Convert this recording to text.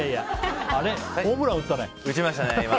あれ、ホームラン打ったね？